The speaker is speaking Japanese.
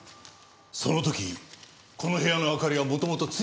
その時この部屋の明かりは元々ついていたんだ。